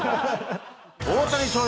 大谷翔平